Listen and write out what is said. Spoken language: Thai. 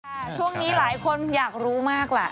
ช่วงนี้หลายคนอยากรู้มากล่ะ